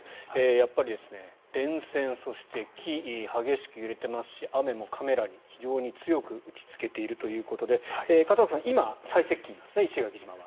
やっぱり電線、そして木激しく揺れていますし雨もカメラに非常に強く打ちつけているということで片岡さん、今、最接近なんですね石垣島は。